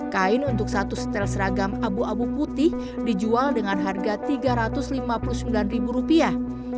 kain untuk satu setel seragam abu abu putih dijual dengan harga tiga ratus lima puluh sembilan ribu rupiah